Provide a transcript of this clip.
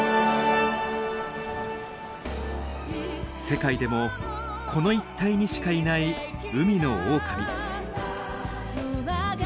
世界でもこの一帯にしかいない海のオオカミ。